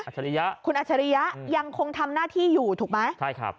ฉริยะคุณอัชริยะยังคงทำหน้าที่อยู่ถูกไหมใช่ครับ